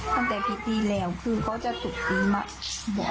ตั้งแต่ปีที่แล้วคือเขาก็จะถูกดีมาบ่อยมา